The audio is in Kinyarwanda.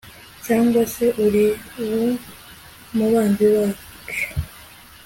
cyangwa se uri uwo mu banzi bacu